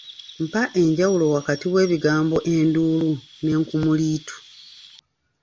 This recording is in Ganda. Mpa enjawulo wakati w'ebigambo endulundu n'enkumuliitu.